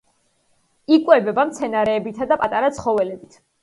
იკვებება მცენარეებითა და პატარა ცხოველებით.